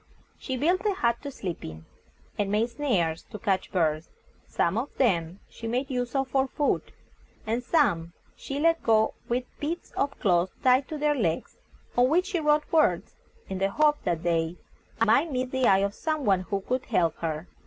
She built a hut to sleep in, and made snares to catch birds. Some of them she made use of for food, and some she let go with bits of cloth tied to their legs, on which she wrote words, in the hope that they might meet the eye of some one who could help her.